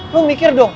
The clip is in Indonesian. lu mikir dong